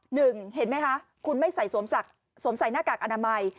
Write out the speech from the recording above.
หนึ่งเห็นไหมคะคุณไม่ใส่สวมใส่หน้ากากอนามัย